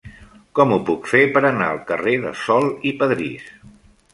Com ho puc fer per anar al carrer de Sol i Padrís?